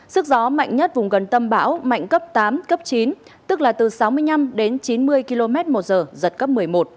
sức gió mạnh nhất vùng gần tâm bão mạnh cấp tám cấp chín tức là từ sáu mươi năm đến chín mươi km một giờ giật cấp một mươi một